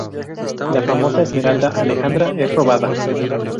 La famosa esmeralda Alejandra es robada.